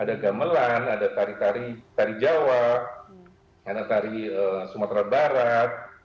ada gamelan ada tari tari jawa ada tari sumatera barat